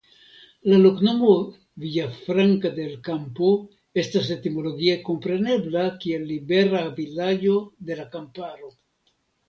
La loknomo "Villafranca del Campo" estas etimologie komprenebla kiel "Libera Vilaĝo de la Kamparo".